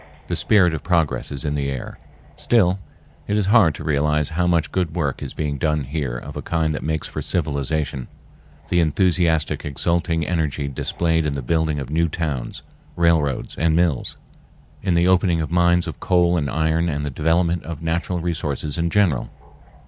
The spirit of progress is in the air. Still it is hard to realize how much good work is being done here of a kind that makes for civilization—the enthusiastic, exulting energy displayed in the building of new towns, railroads, and mills, in the opening of mines of coal and iron and the development of natural resources in general.